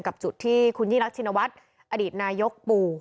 เงินกับจุดที่คุณยี่รักชินวัฒน์อดีตนายกปู